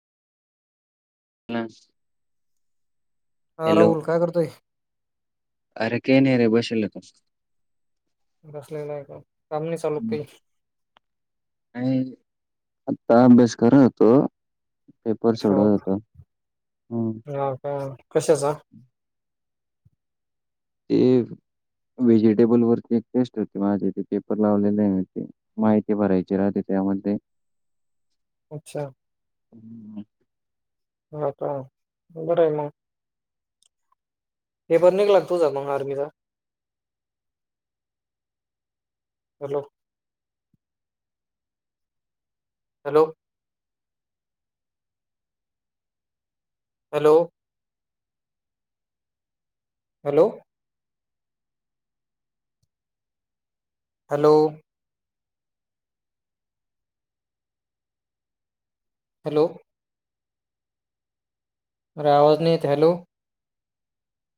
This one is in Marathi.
ना हा हॅलो राहुल काय करतोय अरे कय नाही रे बसेल बस सलेलं आहे का काम नाही चालू काही नाही आता अभ्यास करात होतो पेपर सोडव होतो हम् ह का कसे चा ते व्हेजिटेबल वरची एक पेस्ट होती माझे ते पेपर लावलेले आहेते माहिती भरायची राहते त्यामध्ये अच्छा हम्म हाता आता उन राही नु हे पण निघला तुझा मग आर्मीचा hello hello hello hello hello hello अरे आवाज नि येत हे हॅलो